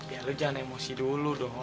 ya lo jangan emosi dulu dong